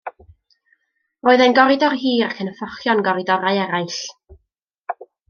Roedd e'n goridor hir ac yn fforchio yn goridorau eraill.